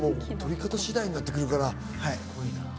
撮り方に次第なってくるから。